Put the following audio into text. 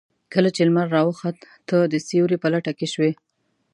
کله چې لمر راوخت تۀ د سيوري په لټه کې شوې.